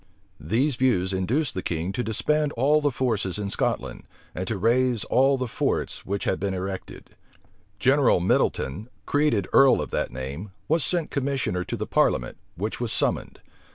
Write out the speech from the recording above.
{1661.} These views induced the king to disband all the forces in Scotland, and to raze all the forts which had been erected. General Middleton, created earl of that name, was sent commissioner to the parliament, which was summoned.